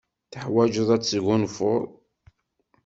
Teḥwajeḍ ad tesgunfuḍ.